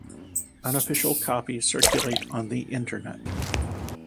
Unofficial copies circulate on the Internet.